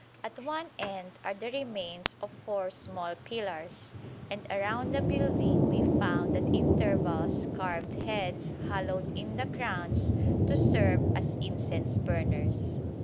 At one end are the remains of four small pillars, and around the building we found at intervals carved heads hollowed in the crowns to serve as incense burners.